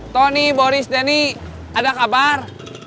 tony boris dani ada kabar